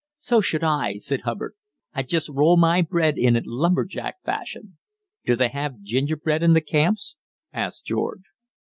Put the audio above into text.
"So should I," said Hubbard; "I'd just roll my bread in it lumberjack fashion." "Do they have gingerbread in the camps?" asked George.